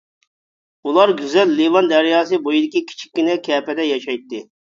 ئۇلار گۈزەل لىۋان دەرياسى بويىدىكى كىچىككىنە كەپىدە ياشايتتى.